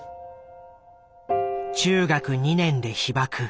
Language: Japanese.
中学２年で被爆。